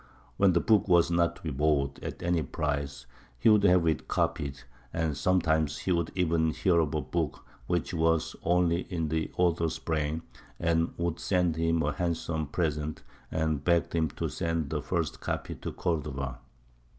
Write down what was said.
When the book was not to be bought at any price, he would have it copied; and sometimes he would even hear of a book which was only in the author's brain, and would send him a handsome present, and beg him to send the first copy to Cordova.